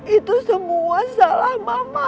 itu semua salah mama